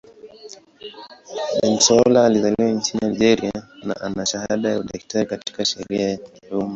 Bensaoula alizaliwa nchini Algeria na ana shahada ya udaktari katika sheria ya umma.